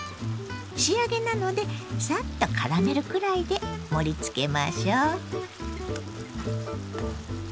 仕上げなのでさっとからめるくらいで盛りつけましょう。